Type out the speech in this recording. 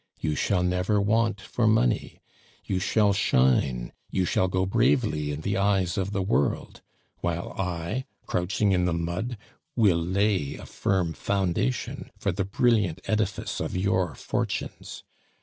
You shall never want for money. You shall shine, you shall go bravely in the eyes of the world; while I, crouching in the mud, will lay a firm foundation for the brilliant edifice of your fortunes.